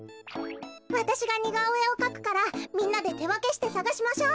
わたしがにがおえをかくからみんなでてわけしてさがしましょう。